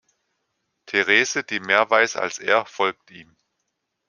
Therese, die mehr weiss als er, folgt ihm.